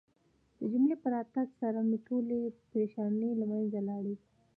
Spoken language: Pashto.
د جميله په راتګ سره مې ټولې پریشانۍ له منځه لاړې.